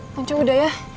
nanti udah ya